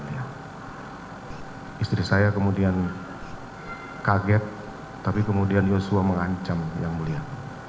ya istri saya kemudian kaget tapi kemudian yosua mengancam yang mulia